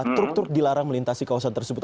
truk truk dilarang melintasi kawasan tersebut